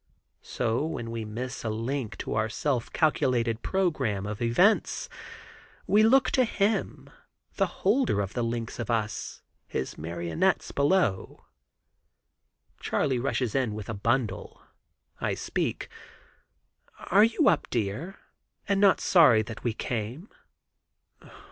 So when we miss a link in our self calculated program of events, we look to Him, the holder of the links of us—his marionettes below. Charley rushes in with a bundle. I speak: "Are you up, dear, and not sorry that we came?"